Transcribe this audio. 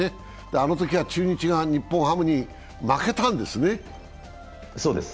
あのときは中日が日本ハムに負けたんですね。